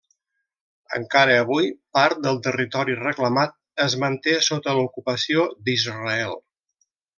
Encara avui, part del territori reclamat es manté sota ocupació d'Israel.